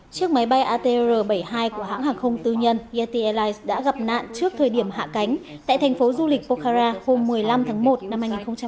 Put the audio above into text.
chiếc máy bay atr bảy mươi hai của hãng hàng không tư nhân yeti airlines đã gặp nạn trước thời điểm hạ cánh tại thành phố du lịch pokhara hôm một mươi năm tháng một năm hai nghìn hai mươi